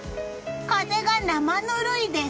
風が生ぬるいです。